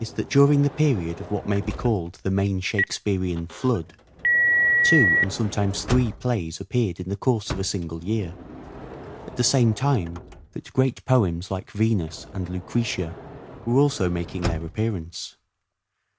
tjiat Curing the period of what may be called the main Shakespearean flood, two and sometimes three plays appeared in the course of a single year, at the same time that great poems like " Venus " and " Lucrece " were also making their appearance.